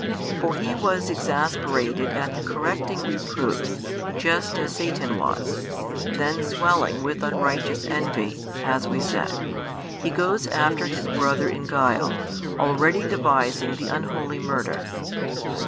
For he was exasperated at the correcting reproofs, just as Satan was, then swelling with unrighteous envy, as we said, he goes after his brother in guile, already devising the unholy murder.